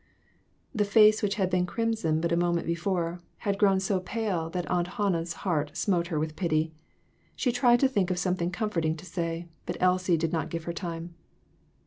The face which had been crimson but a mo ment before, had grown so pale that Aunt Han nah's heart smote her with pity. She tried to think of something comforting to say, but Elsie did not give her time.